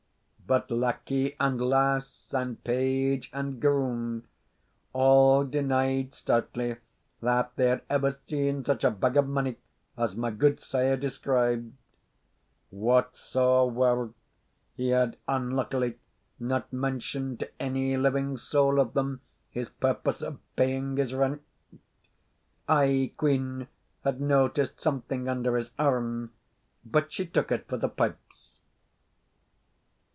But lackey and lass, and page and groom, all denied stoutly that they had ever seen such a bag of money as my gudesire described. What saw waur, he had unluckily not mentioned to any living soul of them his purpose of paying his rent. Ae quean had noticed something under his arm, but she took it for the pipes.